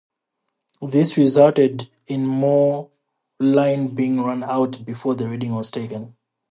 This resulted in more line being run out before the reading was taken.